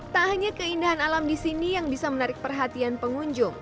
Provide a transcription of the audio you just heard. tak hanya keindahan alam di sini yang bisa menarik perhatian pengunjung